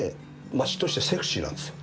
街としてセクシーなんですよ。